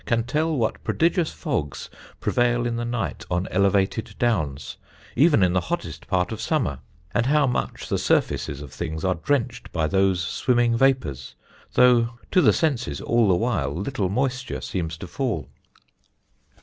can tell what prodigious fogs prevail in the night on elevated downs, even in the hottest part of summer; and how much the surfaces of things are drenched by those swimming vapours, though, to the senses, all the while, little moisture seems to fall."